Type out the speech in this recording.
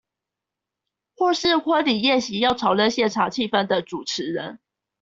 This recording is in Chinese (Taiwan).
或是婚禮宴席要炒熱現場氣氛的主持人